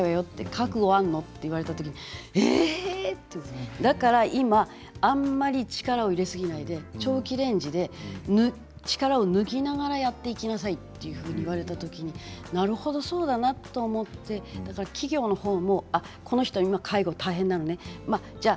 覚悟はあるの？って言われたときに、ええ？っと思ってだから今はあまり力を入れすぎないで長期レンジで力を抜きながらやっていきなさいというふうに言われたときになるほど、そうだなと思ってだから企業のほうもこの人は介護が大変なのね